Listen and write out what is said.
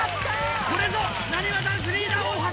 これぞなにわ男子リーダー大橋！